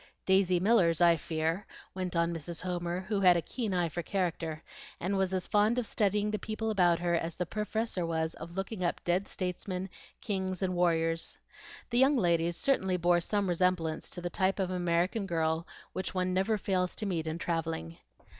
"Daisy Millers, I fear," went on Mrs. Homer, who had a keen eye for character, and was as fond of studying the people about her as the Professor was of looking up dead statesmen, kings, and warriors. The young ladies certainly bore some resemblance to the type of American girl which one never fails to meet in travelling.